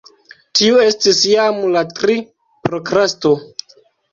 Tiu estis jam la tria prokrasto.